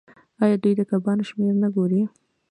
آیا دوی د کبانو شمیر نه ګوري؟